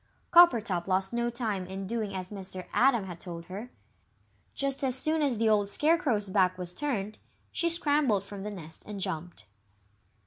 Coppertop lost no time in doing as Mr. Atom had told her. Just as soon as the old Scarecrow's back was turned, she scrambled from the nest and jumped.